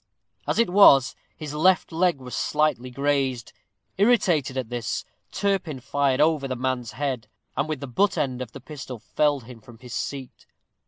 As it was, his left leg was slightly grazed. Irritated at this, Turpin fired over the man's head, and with the butt end of the pistol felled him from his seat.